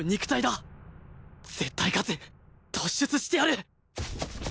絶対勝つ！突出してやる！